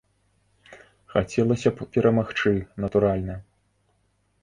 Хацелася б перамагчы, натуральна.